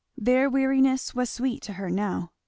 Their weariness was sweet to her now.